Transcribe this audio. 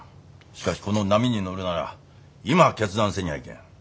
しかしこの波に乗るなら今決断せにゃあいけん。